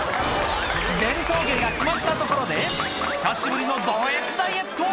伝統芸が決まったところで久しぶりのドＳダイエット